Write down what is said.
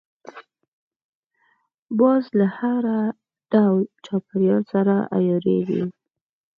باز له هر ډول چاپېریال سره عیارېږي